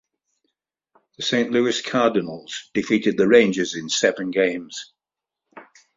The Saint Louis Cardinals defeated the Rangers in seven games.